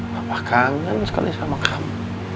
bapak kangen sekali sama kamu